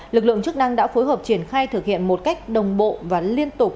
lực lượng chức năng đã phối hợp triển khai thực hiện một cách đồng bộ và liên tục